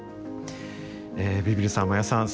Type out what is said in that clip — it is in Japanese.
えビビるさん真矢さん